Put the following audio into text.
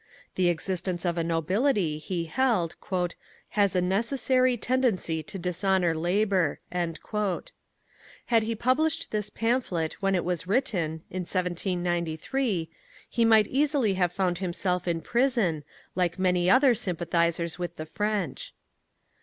The existence of a nobility, he held, "has a necessary, tendency to dishonour labour." Had he published this pamphlet when it was written, in 1793, he might easily have found himself in prison, like many other sympathizers with the French.